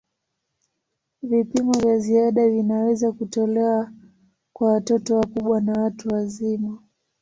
Vipimo vya ziada vinaweza kutolewa kwa watoto wakubwa na watu wazima.